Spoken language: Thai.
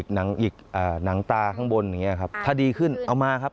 หยิกหนังตาข้างบนอย่างนี้ครับถ้าดีขึ้นเอามาครับ